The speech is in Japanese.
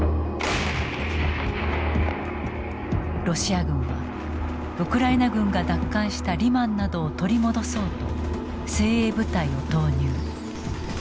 ロシア軍はウクライナ軍が奪還したリマンなどを取り戻そうと精鋭部隊を投入。